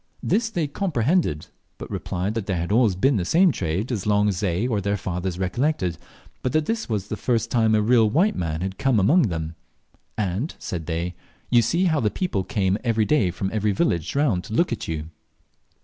This they comprehended, but replied that there had always been the same trade as long as they or their fathers recollected, but that this was the first time a real white man had come among them, and, said they, "You see how the people come every day from all the villages round to look at you."